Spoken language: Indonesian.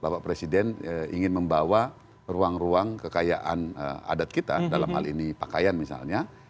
bapak presiden ingin membawa ruang ruang kekayaan adat kita dalam hal ini pakaian misalnya